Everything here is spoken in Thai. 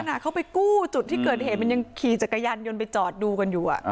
ขณะเขาไปกู้จุดที่เกิดเหตุมันยังขี่จักรยานยนต์ไปจอดดูกันอยู่